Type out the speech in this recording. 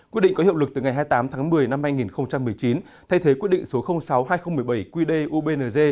quyết định có hiệu lực từ ngày hai mươi tám một mươi hai nghìn một mươi chín thay thế quyết định số sáu hai nghìn một mươi bảy quy đề ubng